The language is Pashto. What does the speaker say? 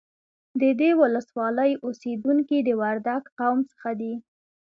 د دې ولسوالۍ اوسیدونکي د وردگ قوم څخه دي